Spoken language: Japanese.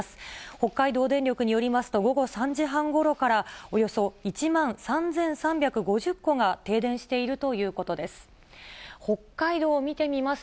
北海道電力によりますと、午後３時半ごろから、およそ１万３３５０戸が停電しているということです。